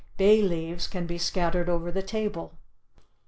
Bay leaves can be scattered over the table.